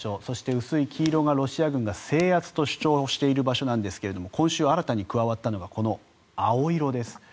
そして薄い黄色が、ロシア軍が制圧と主張している場所ですが今週新たに加わったのがこの青色です。